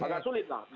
agak sulit lah